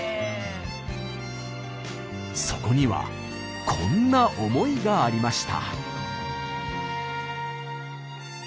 そこにはこんな思いがありました。